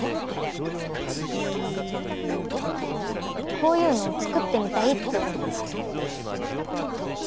こういうのを作ってみたいって思ってるでしょ。